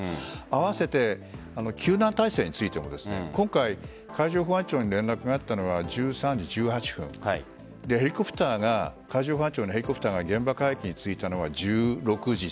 併せて救難体制についても今回、海上保安庁に連絡があったのが１３時１８分海上保安庁のヘリコプターが現場海域に着いたのが１６時３０分。